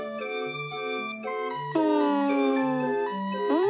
うんうん。